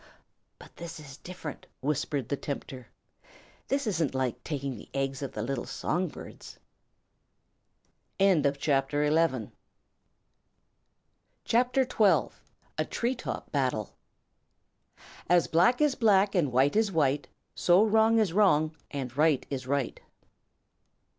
"But this is different," whispered the tempter. "This isn't like taking the eggs of the little song birds." CHAPTER XII: A Tree Top Battle As black is black and white is white, So wrong is wrong and right is right.